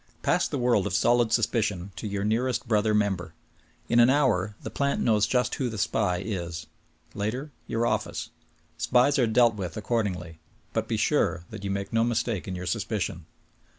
Pass the world of solid suspicion to your nearest brother member. In an hour the plant knows just v.^ho the SPY is. Later, your office. Spies are dealt with accordingly. But be sure that you make no mistake in your suspicion.